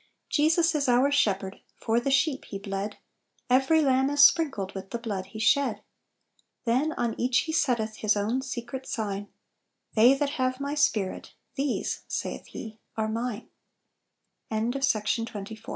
"Jeans is our Shepherd, For the sheep He bled; Every lamb is sprinkled With the blood He shed. "Then on each He setteth His own secret sign; <Tbey that have My Spirit, These/ saith He, * are mi